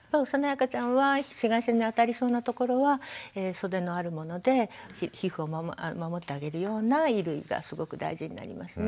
赤ちゃんは紫外線に当たりそうなところは袖のあるもので皮膚を守ってあげるような衣類がすごく大事になりますね。